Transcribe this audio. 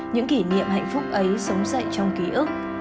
những kỷ niệm hạnh phúc ấy sống dậy trong ký ức